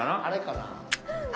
あれかな？